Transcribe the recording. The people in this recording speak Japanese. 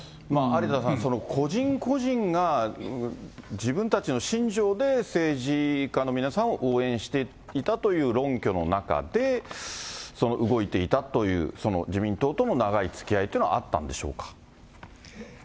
有田さん、個人個人が自分たちの信条で政治家の皆さんを応援していたという論拠の中で動いていたという自民党との長いつきあいというのがあったんでしょうか。